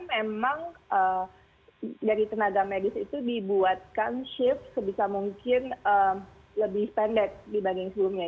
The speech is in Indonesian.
memang dari tenaga medis itu dibuatkan shift sebisa mungkin lebih pendek dibanding sebelumnya